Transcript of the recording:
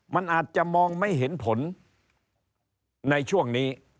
มันอาจจะมองไม่เห็นผลในช่วงนี้